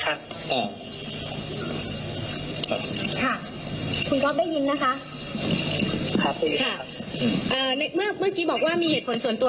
ค่ะคุณก๊อฟได้ยินนะคะครับเอ่อในเมื่อเมื่อกี้บอกว่ามีเหตุผลส่วนตัว